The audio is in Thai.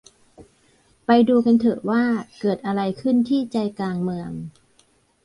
ไปดูกันเถอะว่าเกิดอะไรขึ้นที่ใจกลางเมือง